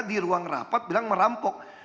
di ruang rapat bilang merampok